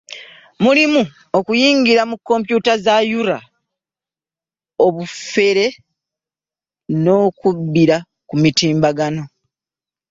Mulimu okuyingira mu kkompyuta za URA, obufere n'okubbira ku mitimbagano